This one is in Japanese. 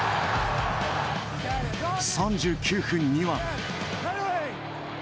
３９分には。